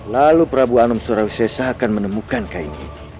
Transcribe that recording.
lalu prabu anom surawi sesa akan menemukan kain ini